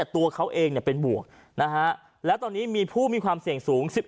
ตัวเขาเองเป็นบวกแล้วตอนนี้มีผู้มีความเสี่ยงสูง